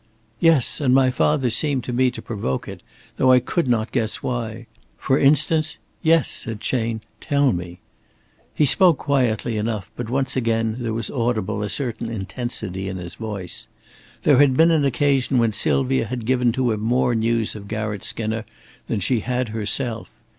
"Yes; and my father seemed to me to provoke it, though I could not guess why. For instance " "Yes?" said Chayne. "Tell me!" He spoke quietly enough, but once again there was audible a certain intensity in his voice. There had been an occasion when Sylvia had given to him more news of Garratt Skinner than she had herself.